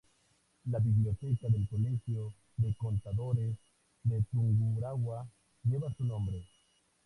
La biblioteca del Colegio de Contadores de Tungurahua lleva su nombre.